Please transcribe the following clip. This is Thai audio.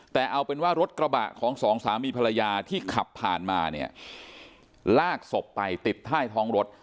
แต่เอาเป็นว่ารถกระบะของสองสามีภรรยาที่ขับผ่านมาเนี่ยลากศพไปติดใต้ท้องรถ